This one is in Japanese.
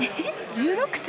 １６歳！？